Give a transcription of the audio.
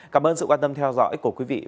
cảm ơn sự quan tâm theo dõi của quý vị và các bạn